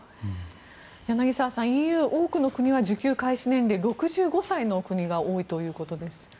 柳澤さん、ＥＵ多くの国は受給開始年齢、６５歳の国が多いということです。